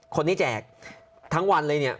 คนนี้แจกทั้งวันเลยเนี่ย